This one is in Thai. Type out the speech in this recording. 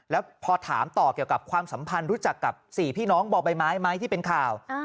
แล้วพอถามต่อเกี่ยวกับความสัมพันธ์รู้จักกับ๔พี่น้องบ่อใบไม้ไหมที่เป็นข่าว